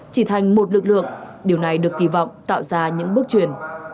chỉ thành một lực lượng điều này được kỳ vọng tạo ra những bước chuyển